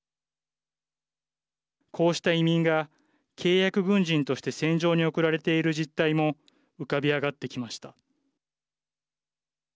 こうした移民が契約軍人として戦場に送られている実態も浮かび上がってきました。